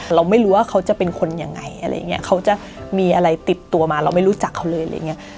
เราไม่รู้ว่าเขาจะเป็นคนยังไงอะไรอย่างเงี้ยเขาจะมีอะไรติดตัวมาเราไม่รู้จักเขาเลยอะไรอย่างเงี้ย